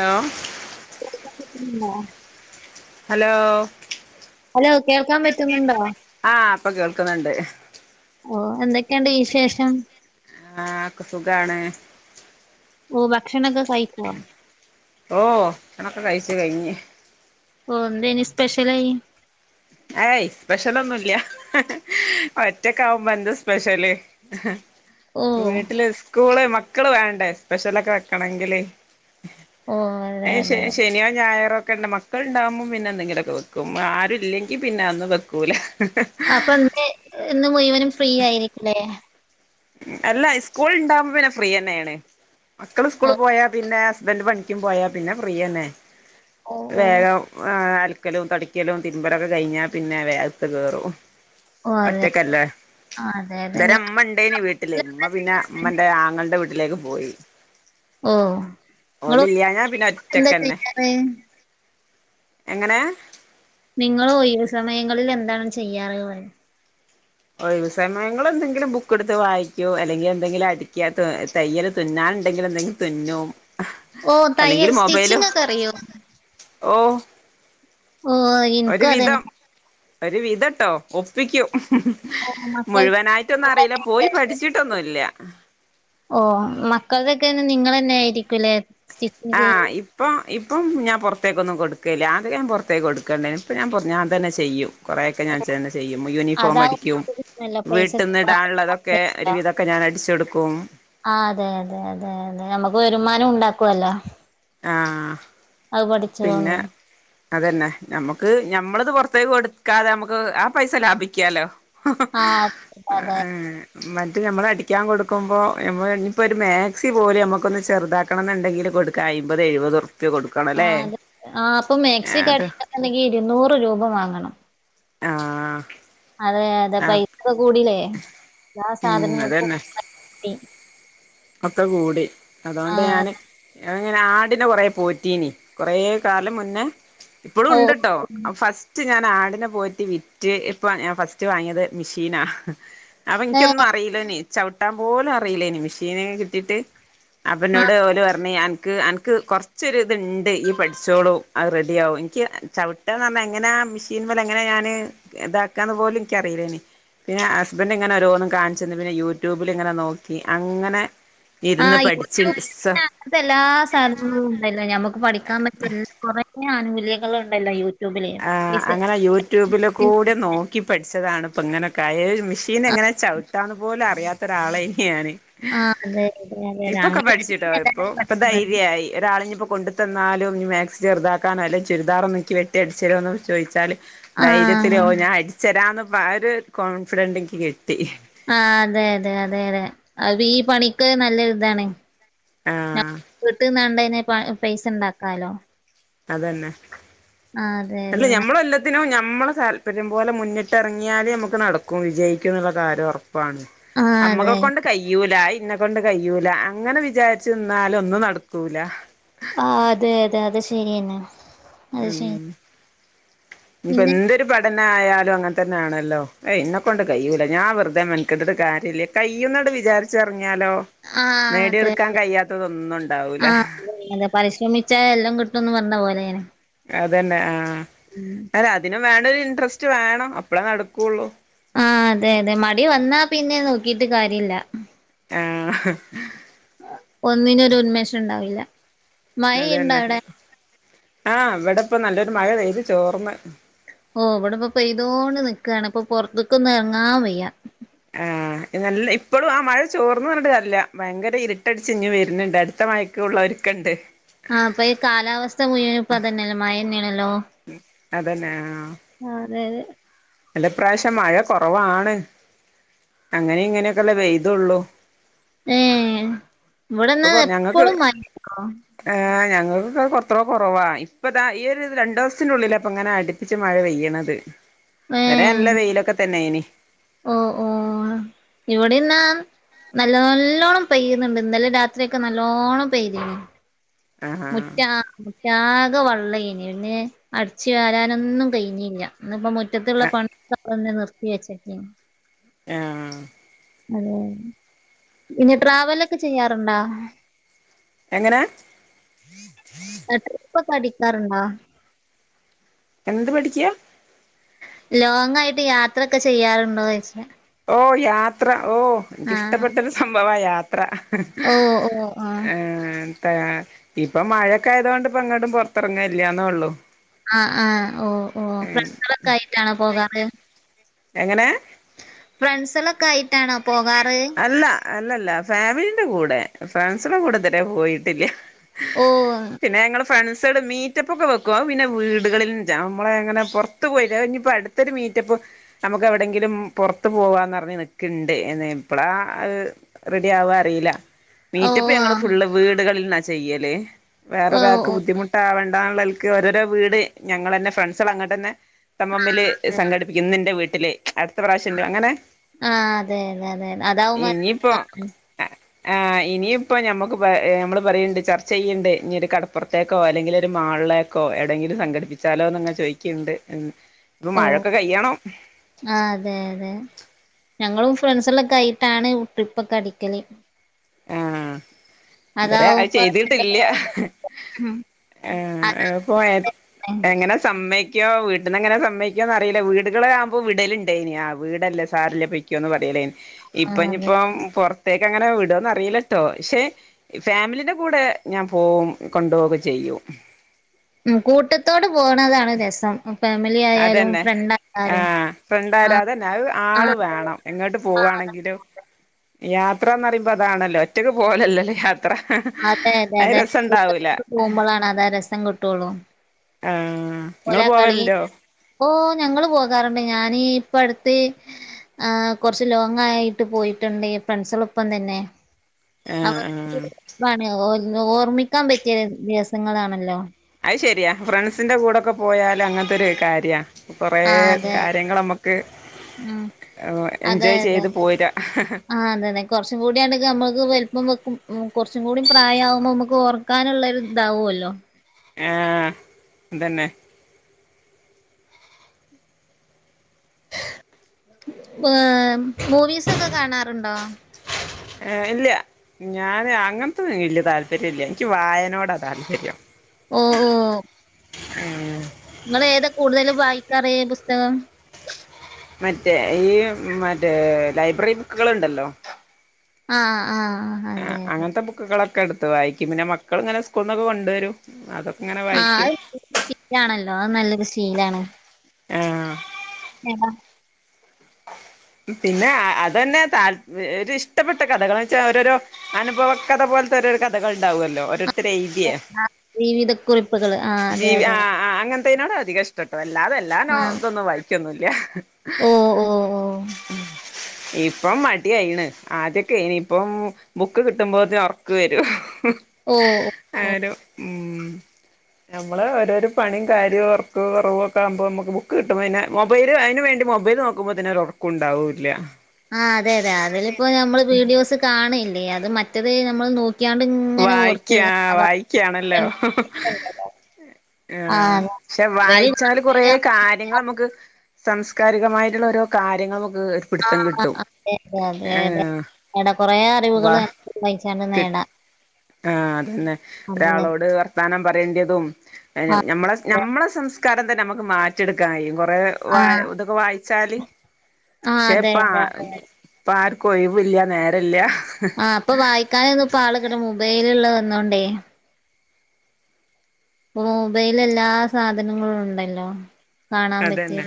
Hello [unintelligible] ന്നോ hello hello കേൾക്കാം പറ്റുന്നുണ്ടോ ആ ഇപ്പ കേൾക്കുന്നുണ്ട് ഓ എന്തക്കെ ഇണ്ട് വിശേഷം എല്ലാർക്ക് സുഖാണ് ഓ ഭക്ഷണക്ക കഴി ഓ ഭക്ഷണോക്ക കഴിച്ച് കഴിഞ് ഓ എന്തനി സ്പെഷ്യലായി ഏയ് സ്പെഷ്യല ഒന്നുംല്ല ഒറ്റക്ക ആാവുമ്പോ എന്ത് സ്പെഷ്യല് ഓ വീട്ടില് സ്കൂള് മക്കള് വേണ്ടേ സ്പെഷ്യലൊക്കെ വെക്കണെങ്കില് ഓ അതെ അ അതെ ശനിയോ ഞായറോ ഒക്കെ ഉണ്ട് മക്ക മക്കൾ ഉണ്ടാകുമ്പോം പിന്നെ എന്തെ ങ്കിലൊക്കെ വെക്കും ആുംല്ലെങ്കിൽ പിന്നെ അന്ന് വെക്കൂല അപ്പൊ ങ്ങക്ക് ഇന്ന് മുഴുവനും ഫ്രീ ആയിരിക്കല്ലേ അല്ല സ്കൂൾ ഉണ്ടാവകുമ്പോ പിന്നെ ഫ്രീ തന്നെയാണ് മക്കള് ഓ സ്കൂള് പോയാ പിന്നെ ഹസ്ബൻറ് പണിക്കും പോയാ പിന്നെ ഫ്രീ തന്നെ ഓ ഓ വേഗം ആ അലക്കലും തടിക്കലും തിരുമ്പലൊക്കെ കഴിഞ്ഞാൽ പിന്നെ വേഗത്ത് കേയറും ഓ അതെ ഒറ്റക്കല്ലേ ആ, അതെ അതെ നിങ്ങള് ഇവരമ്മ ഇണ്ടേനി വീട്ടില് എന്താ ഇമ്മ പിന്നെ ചെയ്യാറ്? ഇമ്മന്റെ ആങ്ങളൻ്റെ വീട്ടിലേക്ക് പോയി ഓ നിങ്ങള് ഓലില്ലാഞാ പിന്നെ എന്താ ഒറ്റക്കെന്നെ ചെയ്യാറ്? എങ്ങനെ നിങ്ങള് ഒഴിവ് സമയങ്ങളിൽ എന്താണ് ചെയ്യാറ് പറയ ഒഴിവ് സമയങ്ങള് എന്തെങ്കിലും ബുക്ക് എടുത്ത് വായിക്കോ അല്ലെങ്കിൽ എന്തെങ്കിലും അടിക്കാ തയ്യല് തുന്നാൻ ഉണ്ടെങ്കില് എന്തെങ്കിലും തുന്നും ഓ തയ്യൽ സ്റ്റിച്ചിങ് ഒക്കെ അറിയോ ഓഹ് ഓയി ഒരു വിധം ഒരു വിധട്ടോ ഒപ്പിക്കും ഓ മക്കൾ മുഴുവനായിട്ടൊന്നും അറിയില്ല പോയി പഠിച്ചിട്ടൊന്നുല്ല്യ ഓ മക്കൾക്കെക്കെ നിങ്ങളന്നെ ആയിരിക്കുല്ലേ ആഹ് ഇ ഇപ്പം ഇപ്പം ഞാൻ പുറത്തേക്കൊന്നും കൊടുക്കല്ല്യ അദ്യ ഞാൻ പുറത്തേക്ക് കൊടുക്കണ്ടേനി ഇപ്പൊ ഞാൻ തന്നെ ചെയ്യും കുറേ ഒക്കെ ഓ ഞാൻ തന്നെ ചെയ്യും യൂണിഫോം അടിക്കും. അതാവുമ്പോ കിട്ടുമല്ലോ പൈസ വീട്ടിന്ന് ഇടാനുള്ളതൊക്കെ സമ്പാദിക്കാ. ഒരുവിതൊക്കെ ഞാൻ അടിച്ച് കൊടുക്കും ആ അതെ അതെ അതെ അതെ നമുക്ക് വരുമാനം ഉണ്ടാക്കുവല്ലോ ആഹ് അത് പിന്നെ പഠിച്ചതൊണ്ട് അതന്നെ നമ്മുക്ക് ഞമ്മളത് പൊറത്തേക്ക് കൊടുക്കാതെ നമുക്ക് ആ പൈസ ലാഭിക്കാലോ ആ അതെ അതെ ഏ മറ്റെ നമ്മള് അടിക്കാൻ കൊടുക്കുമ്പോ നമ്മള് ഇനി ഇപ്പോ ഒരു മാക്സി പോലും നമ്മുക്കൊന്ന് ചെറുതാ ക്കണം ഉണ്ടെങ്കില് കൊടുക്ക അയ്മ്പത് എഴുപതുർപ്യ ആ കൊടുക്കണംല്ലേ അതെ ആ ഇപ്പൊ മാക്സി ഒക്കെ അടിക്കണം ഉണെങ്കി ഇരുന്നൂറ് രൂപ വാങ്ങണം ആഹ് അതെ അതെ ആ പൈസ കൂടില്ലേ എല്ലാ ഉം സാധനങ്ങൾക്കും അതന്നെ പൈസ കൂടി ഒക്കെ കൂടി ആ അതുകൊണ്ട് ഞാന് ഞാനിങ്ങനെ ആടിനെ കൊറേ പോറ്റീനി കൊറേ കാലം മുന്നേ ഇപ്പോളും ഓ ഉണ്ട് ട്ടോ ഫസ് റ്റ് ഞാൻ ആടിനെ പോയിട്ട് വിറ്റ് ഇപ്പ ഞാൻ ഫസ്റ്റ് വാങ്ങിയത് മെഷീനാ അപ്പൊ ഏ ഇന്ക്കൊന്നും അറിയില്ലേനി ചവിട്ടാൻ പോലും അറിയില്ലേനി മെഷീന് കിട്ടീട്ട് അപ്പൊ ആ ഇന്നോട് ഓല് പറഞ്ഞ് അന്ക്ക്‌ അന്ക്ക് കൊറ ച്ചൊരു ഇത്ണ്ട് യി പഠിച്ചോളും അത് റെഡിയ ആവും എനിക്ക് ചവിട്ടാന്നറിഞ്ഞ എങ്ങനാ മെഷീൻമല് പോലെ എങ്ങനെ ഞാന് ഇതാക്കാന്ന് പോലും എനിക്കറിയില്ലേനി പിന്നെ ഹസ്ബൻ്റ് ഇങ്ങനെ ഓരോന്നും കാണിച്ചന്ന് പിന്നെ യൂട്യൂബിലിങ്ങനെ നോക്കി അങ്ങനെ ആ ഇരുന്ന് പഠിച്ചി യൂട്യൂബിൽ സ അങ്ങനത്തെ എല്ലാ സാനങ്ങളും ഉണ്ടല്ലോ ഞമുക്ക് പഠിക്കാൻ പറ്റിയ എല്ലാ കുറേ ആനുകൂല്യങ്ങളുണ്ടല്ലോ യൂ ആഹ് അങ്ങനെ യൂട്യൂബില് കൂടെ നോ ക്കി പഠിച്ചതാണ് ഇപ്പൊ ഇങ്ങനെയൊക്കെ ആയെ ഈ മിഷീൻ ആ എങ്ങനെ ചവിട്ടാന്ന് പോലും അറിയാത്ത ഒരാളെനി ഞാന് ആ അതെ അതെ അതെ അതെ ഇപ്പൊക്കെ അങ്ങനെ പഠിച്ചുട്ടോ തന്നെയാണ് ഇപ്പൊ എല്ലാരും ഇപ്പൊ പഠിക്കുന്നത് ധൈര്യായി ഒരാളിഞ്ഞി ഇപ്പൊ കൊണ്ട് ത തന്നാലും ഇനി മാക്സി ചെറുതാക്കാനായാലും ചുരിദാറ് ഒന്ന് ഇനിക്ക് വെട്ടി അടിച്ചെരോന്ന് ചോദിച്ചാല് ആ ധൈര്യത്തില് ഓ ഞാൻ അടിച്ചെരാന്ന് ഒരു കോൺഫിഡൻ്റ് ഇനിക്ക് കിട്ടി ആ അതെ അതെ അതെ അതെ അത് ഈ പണിക്ക് നല്ല ഒരു ഇതാണ് ആഹ് വീട്ട്ന്നാണ്ടെനെ പൈ പൈസ ഉണ്ടാക്കാലോ അതന്നെ ആ അതെ അല്ല അതെ ന- ഞമ്മള് എല്ലാ ത്തിനു ഞമ്മളെ താല്പര്യം പോലെ മുന്നിട്ട് ഇറങ്ങിയാല് നമുക്ക് നടക്കും വിജയിക്കും എന്നുള്ള കാര്യം ഉറപ്പാണ് ആ അതെ അമ്മക്ക് കൊണ്ട് കയ്യൂല അത് ഇന്നെ കൊണ്ട് കയ്യൂല അങ്ങനെ വിചാരിച്ച് നിന്നാല് ഒന്നും നടക്കൂല ആഹ് അതെ അതെ അത് ശെരിയെന്നെ മ്മ് ഇനിയിപ്പോ പിന്നെ എന്തൊരു പ തന്നെ ആയാലും അങ്ങനെ തന്നൊണല്ലോ ഏയ് എന്നെ കൊണ്ട് കഴിയില്ല ഞാൻ വെറുതെ മെനകെട്ടിട്ട് കാര്യമില്ല കയ്യുന്നട് വിചാരിച്ച അങ്ങ് എറങ്ങിയാലോ ആ അതെ നേടിയെടുക്കാൻ കഴിയാത്തതൊന്നും ഉണ്ടാവൂല എന്താ പരിശ്രമിച്ചാ എല്ലാം കിട്ടുമെന്ന് പറഞ്ഞ പോലെ ഇങ്ങനെ അതന്നെ ആഹ് മ്മ് ആഹ് അതിനും വേണം ഒരു ഇൻട്രസ്റ്റ് വേണം അപ്പളേ നടക്കുവുള്ളൂ ആഹ് അതെ അതെ മടി വന്നാ പിന്നെ നോക്കിട്ട് കാര്യമില്ല ആഹ് ഒന്നിനും ഒരു ഉന്മേഷം ഉണ്ടാവില്ല അത് മഴയുണ്ടോ തന്നെ അവിടെ ആഹ് ഇവിടെ ഇപ്പം നല്ലൊരു മഴ പെയ്ത് ചോർന്ന് ഓഹ് ഇവിടെ ഇപ്പം പെയ്തോണ്ട് നിക്കയാണ് ഇപ്പൊ പുറത്തേക്ക് ഒന്നും ഇറങ്ങാൻ വയ്യ ആഹ് നല്ല ഇപ്പോഴും ആ മഴ ചോർന്നു പറഞ്ഞിട്ട് കാര്യമില്ല ഭയങ്കര ഇരുട്ടടിച്ച് ഇങ്ങ് വരുന്നുണ്ട് അടുത്ത മഴയ്ക്ക് ഒക്കെ ഉള്ളവർക്കുണ്ട് ആഹ് അപ്പൊ ഈ കാലാവസ്ഥ മുയുവനും ഇപ്പം അതന്നെയല്ലെ മയ തന്നെയാണല്ലോ അതന്നെ ആഹ് ആഹ് അതെ അതെ അല്ല ഇപ്രാവശ്യം മഴ കുറവാണ് അങ്ങനെ ഇങ്ങനെയൊക്കെയല്ലെ പെയ്തുള്ളു ഏഹ് ഇപ്പൊ ഇവിടെന്നാ കുറ ഞങ്ങക്ക് എപ്പളും മഴട്ടോ ആഹ് ഞങ്ങൾക്കൊക്കെ എത്രയോ കുറവാ ഇപ്പതാ ഈ ഒരു രണ്ടു ദിവസത്തിന് ഉള്ളിലാ ഇപ്പൊ ഇങ്ങനെ അടു അടുപ്പിച്ച് മഴ പെയ്യണത് വരെ നല്ല വെയിലൊക്കെ തന്നെ ആയിനു ഓഹ് ഓഹ് ഇവിടെന്നാ നല്ല നല്ലോണം പെയ്യുന്നുണ്ട് ഇന്നലെ രാത്രിയൊക്കെ നല്ലോണം പെയ്യ്തീനു ആഹാ മുറ്റ ആകെ വള്ളം ആയ്നു പിന്നെ അടിച്ച് വാരാനൊന്നും കയിഞ്ഞില്ല ഇന്നിപ്പം മു റ്റത്തുള്ള ആഹ് പണികളൊക്കൊ തന്നെ നിർത്തി വെച്ചിരിക്കുവാ ആഹ് അതെ പിന്നെ ട്രാവലൊക്കെ ചെയ്യാറുണ്ടോ എങ്ങനെ ട്രിപ്പ് ഒക്കെഅടിക്കാറുണ്ടോ? എന്ത് പഠിക്ക്യാ? ലോങ് ആയിട്ട് യാത്രൊക്കെ ചെയ്യാറുണ്ടോന്നോയ്ച്ച് ഓഹ് യാത്ര ഓ ആഹ് ഇഷ്ടപ്പെട്ട ഒരു സംഭവാ യാത്ര ഓ ഓ ആഹ് ഏഹ് [unintelligible] ആ ഇപ്പ മഴയൊക്കെ ആയതോണ്ട് ഇപ്പങ്ങട്ടും പുറത്തറങ്ങലില്ലാന്നൊള്ളു ആഹ് ആഹ് ഓ ഓ ഫ്രൺസ് കളൊക്കെ ആയിട്ടാണോ പോകാറ് എങ്ങനെ? ഫ്രൺസ്കളൊക്കെ ആയിട്ടാണോ പോകാറ് അല്ല അല്ലല്ല ഫാമിലിന്റെ കൂടെ ഫ്രണ്ട്സിന്റെ കൂടെ ഇതുവരെ പോയിട്ടില്ല ഓ പിന്നെ ഞങ്ങള് ഫ്രൺസ്കള് മീറ്റ് റ്റപ്പ് ഒക്കെ വെക്കും അത് പിന്നെ വീടുകളിൽ നമ്മളെ അങ്ങനെ പൊറത്ത് പോയി അത് കഴിഞ്ഞാ അടുത്തൊരു മീറ്റപ്പ് നമുക്ക് എവിടെങ്കിലും പുറത്ത് പോവാന്ന്റിഞ്ഞ് നിക്കല് എപ്പളാ അത് റെഡി ആവാ അറീല്ല ഓ മീറ്റപ്പ് ഞങ്ങള് ആഹ് ഫുള്ള് വീടുകളിൽന്നാ ചെയ്യല് ഓ വേറൊരാക്ക് ഓ ബുദ്ധിമുട്ട് ദാവണ്ടാന്നൽക്ക് ഓരോരോവീട് ഞങ്ങളന്നെ ഫ്രണ്ട്സള് അങ്ങട്ട ന്നെ തമ്മമ്മില് സംഘടിപ്പിക്കും നിന്റെ വീട്ടില് അടുത്ത പ്രാവശ്യൻ്റെ അങ്ങനെ ആഹ് അതെ അതെ അതതെ ഇനിയിപ്പോ ആഹ് ഇനിയിപ്പോ ഞമ്മക്ക് പ നമ്മള് പറയ്ണ്ട് ചർച്ച ചെയ്യ്ണ്ട് ഇനി കട പ്പുറത്തേക്കോ അല്ലെങ്കിൽ ഒരു മാളിലേക്കോ എവിടേങ്കിലും സംഘടിപ്പിച്ചാലോന്ന്ങ്ങനെ ചോയിക്ക്ണ്ട് ഇപ്പം മഴൊക്കെ കയ്യണം ആ അതെ അതെ ഞങ്ങളും ഫ്രണ്ട്സ്കളൊക്കെ ആയിട്ടാണ് ട്രിപ്പ് ഒക്കെ അടിക്കല് ആഹ് ഇതരേ അത് അതാവുമ്പോ ചെയ്തിട്ടില്ല ഉം ആ പോയത് അതെ എങ്ങനെ സമ്മയിക്കോ വീട്ട്ന്നങ്ങനെ സമ്മയ്ക്കോന്ന് അറിയില്ല വീടുകള് ആകുമ്പോൾ വിടല്ണ്ടേയ്നി ആ വീടല്ലേ സാരല്ല പൊയ്ക്കോന്ന് പറയലേയ്നി ആഹ് അതെ ഇപ്പംഞ്ഞ്പ്പം പുറത്തേക്കങ്ങനെ വിടോന്ന റീലട്ടോ ക്ഷെ ഫാമിലിന്റെ കൂടെ ഞാൻ പോവും കൊണ്ടോവൊക്കെ ചെയ്യും ഉം കൂട്ടത്തോട് പോണതാണ് രസം ഉം അതന്നെ ആഹ് [unintelligible] ആഹ് അതന്നെ അത് ആള് ആഹ് വേണം എങ്ങോട്ട് ആഹ് പോവാണെങ്കിലും യാത്രാന്നറിമ്പോ അതാണല്ലോ ഒറ്റയ്ക്ക് പോവലല്ലല്ലോ യാത്ര ഹ ഹ അതെ അതെ അഅ് അതെ രസണ്ടാവൂല കൂട്ടത്തോടെ ഹ പോകുമ്പളാണ് അതാ രസം കിട്ടുള്ളൂ ആ ഇങ്ങള് ഓലാ കളി പോവല്ണ്ടോ? ഓ ഞങ്ങള് പോകാറുണ്ട് ഞാന് ഇപ്പ അടുത്ത് ആ കൊർച്ച് ലോങ് ആയിട്ട് പോയിട്ടുണ്ട് ഫ്രണ്ട്സളൊപ്പം തന്നെ ആഹ് ആഹ് ഇതാണ് ഓർ ഓർമ്മിക്കാൻ പറ്റിയ ദിവസങ്ങളാണല്ലോ അത് ശരിയാ ഫ്രണ്ട്സിൻ്റെ കൂടൊക്കെ പോയാല് അങ്ങനത്തൊരു കാര്യാ കൊറേ ആഹ് അതെ കാര്യങ്ങള് നമ്മുക്ക് ഉം അ് എൻജോയ് ചെയ്ത് പോരാ ഹ്‌ഹ് ആ അതെ അതെ കൊർച്ചും കൂടിയാണങ്കി നമുക്ക് വലുപ്പം വെക്കും കുറച്ചും കൂടി പ്രായാ കുമ്പോ നമുക്ക് ഓർ ക്കാനുള്ളൊരു ദാവൊല്ലോ ആഹ് ദന്നെ [unintelligible] മൂവീസൊക്കെ കാണാറ്ണ്ടോ ഏഹ് ഇല്ല്യ ഞാന് അങ്ങൻത്തൊന്നും വെല്യ താല്പര്യല്ല്യ ൻക്ക്യ് വായനോടാ താല്പര്യം ഓഹ് ഓഹ് ഇങ്ങെളേതാ കൂട്തല് വായിക്കാറ് പുസ്തകം മറ്റേ ഈ മറ്റേ ലൈബ്രറി ബുക്ക്കള്ണ്ടല്ലോ ആഹ് ആഹ് ആഹ് അതെ അതെ അങ്ങൻത്തെ ബുക്ക്കളൊക്കെ എട്ത്ത് വായിക്ക്യും പിന്നെ മക്കള്ങ്ങെനെ സ്കൂൾന്നൊക്കെ കൊണ്ട് വെരും അതൊക്കെങ്ങെനെ ആഹ് വായിക്ക്യും അത് ശീലാണല്ലോ അത് നല്ലൊര് ശീലാണ് ആഹ് ഏതാ പിന്നെ അ അതെന്നെ താൽ ഒര് ഇഷ്ടപ്പെട്ട കഥകള് ന്ന് വെച്ചാ ഓരോരോ അനുഭവ കഥ പോൽത്തെ ഓരോരോ കഥകൾണ്ടാവാെല്ലോ ഒര് എഹ് ആഹ് ജീവിത കുറിപ്പ്കെള് ജീവി ആഹ് ആഹ് അങ്ങൻത്തേനോടാ അധികഷ് ട്ടട്ടോ അല്ലാതെ എല്ലാ നോ ആഹ് ഇതൊന്നും വായ്ക്ക്യൊന്നുല്ല്യാ ഓ ഓ ഇപ്പം മടിയായിണ് ആദ്യൊക്കേനി ഇപ്പം ബുക്ക് കിട്ട്മ്പോത്ത്ന് ഒർക്ക് വെരും ഓഹ് ഒഹ് ആരോ ഊം ഞമ്മെള് ഓരോരൊ പണിം കാര്യോം ഒർക്ക് കാെറവൊക്കാവ്മ്പോ മ്മെക്ക് ബുക്ക് കിട്ട്മ്പ പിന്നെ മൊബൈല് അയ്ന് വേണ്ടി മൊബൈൽ നോക്കുമ്പാെ തിന് ഒരാെറക്കുണ്ടാവുല്ല്യാ. ആഹ് അതെ അതെ അതിലിപ്പോ ഞമ്മള് വീഡിയോസ് കാണ്ല്ലേ അത് മറ്റെത് ഞമ്മള് നോ വായിക്ക്യ് ആഹ് വായിക്ക്യാണല്ലോ ആഹ് പക്ഷെ മൊബൈല് വായിച്ചാലും കാണുമ്പോ കാെറേ നമ്മ- കാര്യങ്ങളമുക്ക് സംസ്കാരികമായിട്ടുള്ള ഓരോ കാര്യങ്ങളമ്ക്ക് ആഹ് അതെ അതെ അതെ അതെ നേടാ കൊറേ വാ അറിവുകെള് ഞ [unintelligible] ക്ക് വയ്ച്ചാണ്ട് നേടാ. കിട്ടും ആഹ് അതെന്നെ അതെ ഒരാളോട് വർത്താനം പറ്യെണ്ട്യെതും എ ഞം ഞമ്മളെ ഞമ്മളെ സംസ്കാരം തന്നെ അമ്മക്ക് മാറ്റ്യെട്ക്കാം കയ്യും കൊറേ വായ് ആഹ് ഇതൊക്കെ വായ്ച്ചാല് ആഹ് ക്ഷെ അതെ ഇപ്പ അതെ ആഹ് അതെ ഇപ്പാര്ക്കും ഒഴ്‌വ്‌ല്ല്യാ നേരല്ല്യാ ആഹ് പ്പൊ വായ്ക്കാനൊന്നും പ്പാെ ആള് കിട്ട് മുബൈല്ള്ളെ വെന്നോണ്ടേ. ഇപ്പൊ മൊബൈൽല് എല്ലാ സാധനങ്ങളുണ്ടല്ലോ അതെന്നെ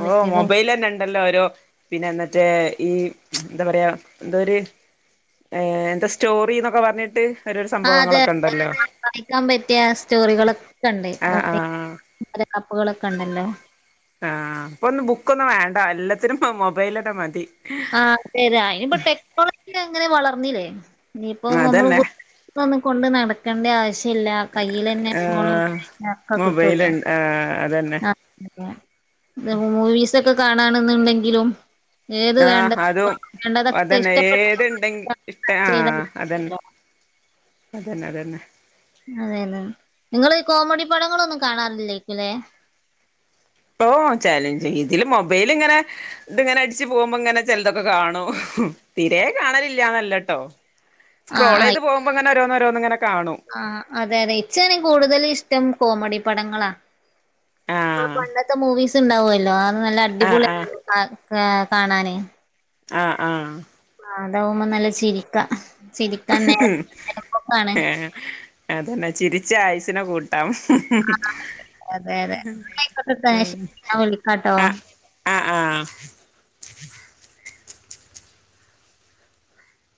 പ്പോ പറ്റിയതും മൊബൈൽലെന്നെണ്ടല്ലാെ ഓരോ പിന്നെ മറ്റേ ഈ എന്ത പറയാ എന്തോര് ഏഹ് എന്താ സ്റ്റോറിന്നൊക്കെ പർഞ്ഞിട്ട് ആഹ് അതെ അതെ വായിക്കാം പറ്റ്യാ സ്റ്റോറികളൊക്കെണ്ട് ആഹ് മൊബൈല് ആഹ് [unintelligible] ലെ കപ്പ്കളൊക്കെണ്ടല്ലോ ആഹ് ഇപ്പൊന്നും ബുക്കാെന്നും വേണ്ടാ എല്ലത്തിനും മൊബൈലെന്നെ മതി. ആഹ് അതെ അതെ അയ്നിപ്പാെ ടെക്നോളെജി അങ്ങെനെ വളർന്നീലെ ഇനിയിപ്പോ നമ്മള് അതന്നെ ബു ക്കൊന്നും കൊണ്ട് നടക്കെണ്ട്യ ആവശ്യ ഇല്ലാ കയ്യിലെന്നെ ഫോണും ഞ്ഞതൊക്ക ക് മുബൈൽണ്ട് ആഹ് അതെന്നെ ആഹ് അതെ ത് മൂവീസാെക്കെ കാണാണ്ന്ന്ണ്ടെങ്കിലും ആഹ് അതും വേണ്ടതൊക്കെ അതെന്നെ ഇഷ്ടപ്പെട്ട ഏത്ണ്ടെങ്കി ഇഷ്ട ചെയ്ത ആഹ് അതെന്നെ അതെന്നെ അതെന്നെ. അതെയതെ നിങ്ങള് കോമഡി പടങ്ങളൊന്നും കാണാറില്ലേയ്ക്ക്ല്ലേ? ഓഹ് ചലഞ്ച് ഇതില് മൊബൈല് ഇങ്ങനെ ഇത്ങ്ങനെ അടിച്ചു പോകുമ്പോ ഇങ്ങനെ ചെലതൊക്കെ കാണും തിരെ കാണലില്യാന്നല്ലോട്ടോ. ആഹ് സ്ക്രോൾ ചെയ്ത് ആഹ് പോകുമ്പോ ഇങ്ങനെ ഓരോഓരോന്ന് ഇങ്ങനെ കാണും. ആഹ് അതെ അതെ എച്ചേനി കൂടുതല് ഇഷ്ടം കോമഡി പടങ്ങളാ. ആഹ് പണ്ടത്തെ മൂവീസ് ഉണ്ടാകുവല്ലോ അത് നല്ല ആഹ് അടിപൊളി ആഹ് ആഹ് ആഹ് കാണാന്. ആഹ് ആഹ്. ആഹ് അതാവുമ്പോ നല്ല ചിരിക്ക ചിരി ഏഹ് അതന്നെ ചിരിച്ച് ആയുസിനെ കൂട്ടാം. അതെ അതെ ആയിക്കോട്ടെ ട്ടോ ഉം ഞാൻ വിളിക്കാട്ടോ ആഹ്. ആഹ് ആഹ്.